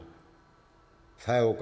「さようか？